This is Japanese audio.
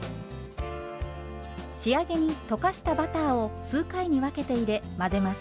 仕上げに溶かしたバターを数回に分けて入れ混ぜます。